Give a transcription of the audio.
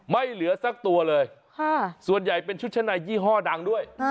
ไม่เหลือสักตัวเลยส่วนใหญ่เป็นชุดชั้นในยี่ห้อดังด้วย